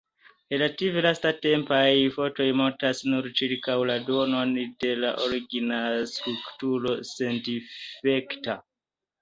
Relative lastatempaj fotoj montras nur ĉirkaŭ la duonon de la origina strukturo sendifekta.